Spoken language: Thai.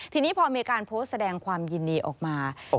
ทีนี้พอมีการโพสต์แสดงความยินดีออกมา